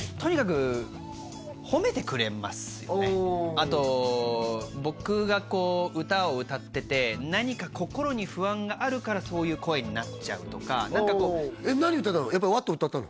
あと僕がこう歌を歌ってて何か心に不安があるからそういう声になっちゃうとか何歌ったの？